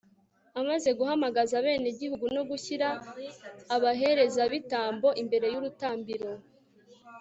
amaze guhamagaza abenegihugu no gushyira abaherezabitambo imbere y'urutambiro